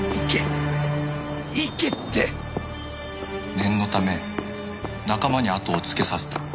念のため仲間に後をつけさせた。